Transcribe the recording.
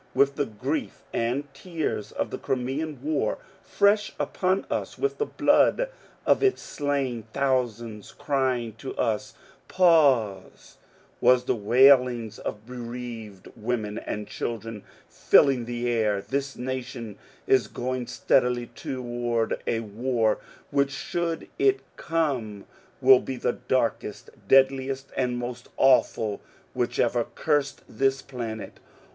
With the grief and tears of the [Crimean] war fresh upon us, with the blood of its slain thousands crying to us Pauae^ with the wailings of bereaved women and children filling the air, this nation is going steadily toward a war, which, should it come, will be the darkest, deadliest, and most awful which ever cursed this planet.